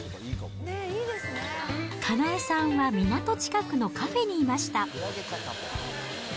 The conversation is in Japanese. かなえさんは港近くのカフェにいました。